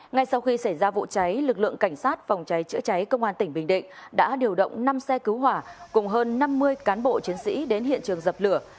ngay sau khi xảy ra vụ cháy lực lượng cảnh sát phòng cháy chữa cháy công an tỉnh bình định đã điều động năm xe cứu hỏa cùng hơn năm mươi cán bộ chiến sĩ đến hiện trường dập lửa